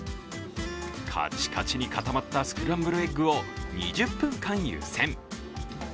カチカチに固まったスクランブルエッグを２０分間、湯せん。